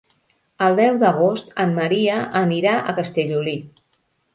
El deu d'agost en Maria anirà a Castellolí.